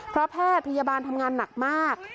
เพราะแพทย์พยาบาลทำงานหนักมาก